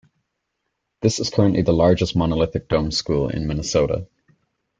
This is currently the largest monolithic dome school in Minnesota.